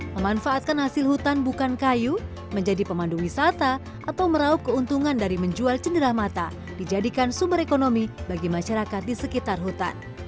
memanfaatkan hasil hutan bukan kayu menjadi pemandu wisata atau meraup keuntungan dari menjual cendera mata dijadikan sumber ekonomi bagi masyarakat di sekitar hutan